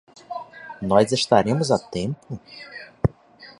Nós estaremos a tempo?